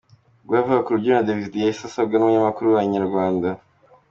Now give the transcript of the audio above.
Ubwo yavaga ku rubyiniro Davis D yahise asabwa n’umunyamakuru wa Inyarwanda.